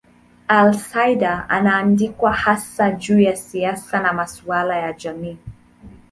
Alcindor anaandikwa haswa juu ya siasa na masuala ya kijamii.